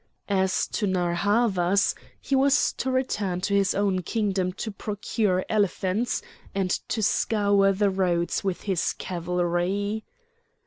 As to Narr' Havas, he was to return to his own kingdom to procure elephants and to scour the roads with his cavalry.